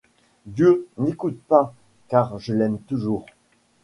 Dieu! n’écoutez pas, car je l’aime toujours !